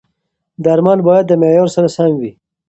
درمل باید د معیار سره سم وي.